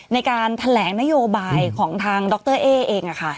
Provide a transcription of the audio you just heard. ในการแถลงนโยบายของทางดรเอ๊เองค่ะ